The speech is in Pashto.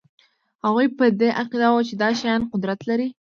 هغوی په دې عقیده وو چې دا شیان قدرت لري